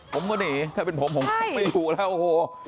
ผมก็หนีถ้าเป็นผมผมก็ไม่อยู่แล้วโอ้โห